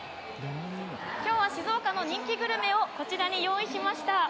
今日は静岡の人気グルメをこちらに用意しました。